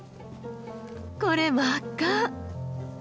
これ真っ赤！